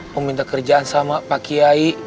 meminta kerjaan sama pak kiai